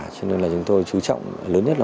cho nên là chúng tôi chú trọng lớn nhất là